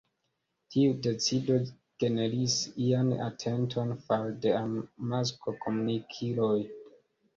Tiu decido generis ian atenton fare de amaskomunikiloj.